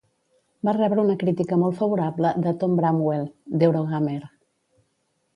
Va rebre una crítica molt favorable de Tom Bramwell, d'Eurogamer.